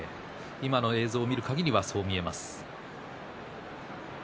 映像を見るかぎりそう見えます。